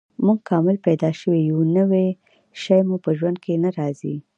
موږ کامل پیدا شوي یو، نوی شی مو په ژوند کې نه راځي.